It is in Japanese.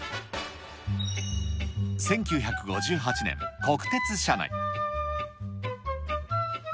１９５８年、国鉄車内。